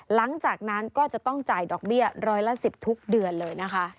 หลังจากนั้นก็จะต้องจ่ายดอกเบี้ยร้อยละ๑๐ทุกเดือนเลยนะคะ